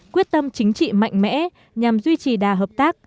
quyết tâm chính trị mạnh mẽ nhằm duy trì đà hợp tác